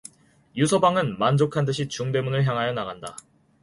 유서방은 만족한 듯이 중대문을 향하여 나간다.